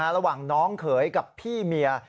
ระหว่างน้องเขยกับพี่เมีย